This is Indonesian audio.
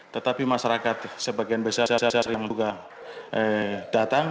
tetapi masyarakat sebagian besar yang juga datang